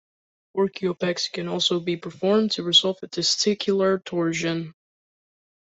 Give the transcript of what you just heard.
Orchiopexy can also be performed to resolve a testicular torsion.